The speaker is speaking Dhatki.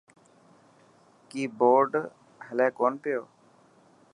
ڪئي بورڊ هلي ڪونه پيو.